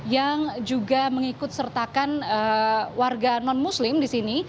yang juga mengikut sertakan warga non muslim di sini